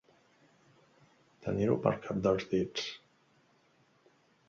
Tenir-ho pel cap dels dits.